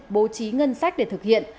bố trí ngân sách để thực hiện